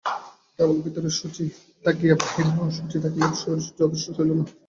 কেবল ভিতরে শুচি থাকিয়া বাহিরে অশুচি থাকিলে শৌচ যথেষ্ট হইল না।